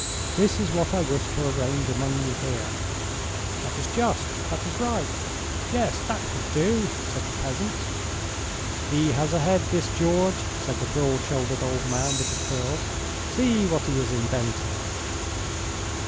This is what I wished to arrange among you here." "That is just, that is right; yes, that would do," said the peasants. "He has a head, this George," said the broad shouldered old man with the curls. "See what he has invented."